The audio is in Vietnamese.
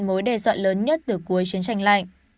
mối đe dọa lớn nhất từ cuối chiến tranh lạnh